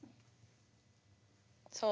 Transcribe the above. そう？